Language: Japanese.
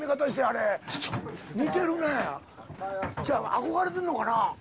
憧れてんのかな。